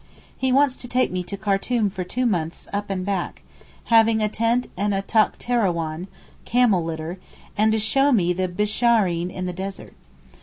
He wants to take me to Khartoum for two months up and back, having a tent and a takhterawan (camel litter) and to show me the Bishareen in the desert.